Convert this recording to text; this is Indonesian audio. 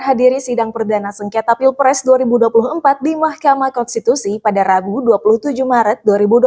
hadiri sidang perdana sengketa pilpres dua ribu dua puluh empat di mahkamah konstitusi pada rabu dua puluh tujuh maret dua ribu dua puluh